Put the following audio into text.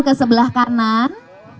ke sebelah kanan